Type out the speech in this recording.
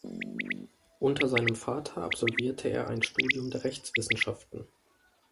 Unter seinem Vater absolvierte er ein Studium der Rechtswissenschaften.